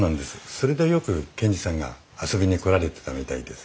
それでよく賢治さんが遊びに来られてたみたいです。